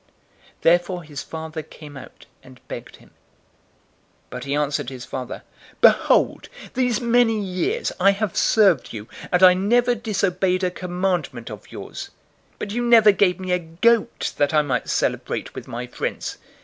Therefore his father came out, and begged him. 015:029 But he answered his father, 'Behold, these many years I have served you, and I never disobeyed a commandment of yours, but you never gave me a goat, that I might celebrate with my friends.